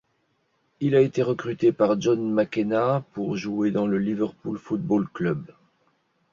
Il a été recruté par John McKenna pour jouer pour le Liverpool Football Club.